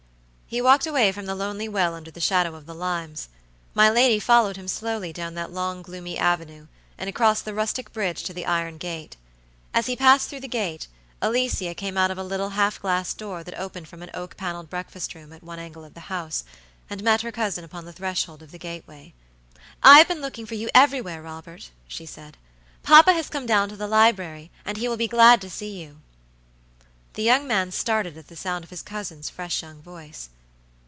He walked away from the lonely well under the shadow of the limes. My lady followed him slowly down that long, gloomy avenue, and across the rustic bridge to the iron gate. As he passed through the gate, Alicia came out of a little half glass door that opened from an oak paneled breakfast room at one angle of the house, and met her cousin upon the threshold of the gateway. "I have been looking for you everywhere, Robert," she said. "Papa has come down to the library, and will be glad to see you." The young man started at the sound of his cousin's fresh young voice.